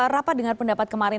rapat dengan pendapat kemarin